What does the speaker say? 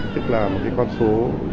tức là một cái con số